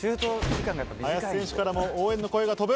林選手からも応援の声が飛ぶ。